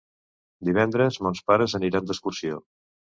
Divendres mons pares aniran d'excursió.